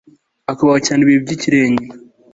akubahwa cyane ibi by'ikirenga